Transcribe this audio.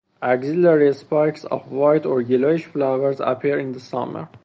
Axillary spikes of white or yellowish flowers appear in the summer.